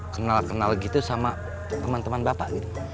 kenal kenal gitu sama teman teman bapak gitu